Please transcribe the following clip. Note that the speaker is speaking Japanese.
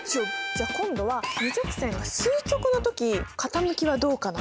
じゃあ今度は２直線が垂直な時傾きはどうかな？